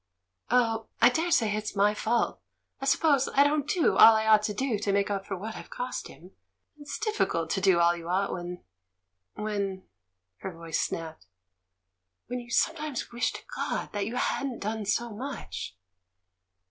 "Oh, I daresay it's my fault. I suppose I don't do all I ought to make up for what I've cost him; it's difficult to do all you ought when — when —" her voice snapped — "when you sometimes wish to God that you hadn't done so much!"